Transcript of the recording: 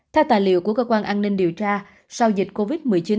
theo tài liệu của cơ quan an ninh điều tra sau dịch covid một mươi chín